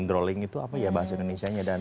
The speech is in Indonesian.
droling itu apa ya bahasa indonesia nya